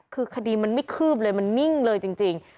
คือคดีมันไม่คืบเลยมันนิ่งเลยจริง